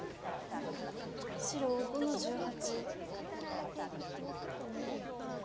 白５の十八。